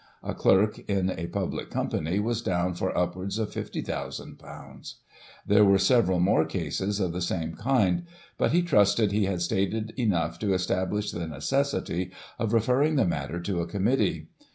A clerk in a public company was down for upwards of ;6^50,ooo. There were several more cases of the same kind, but he trusted he had stated enough to establish the necessity of referring the matter to a Committee.